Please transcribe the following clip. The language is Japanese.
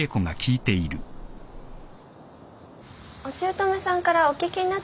お姑さんからお聞きになってますよね？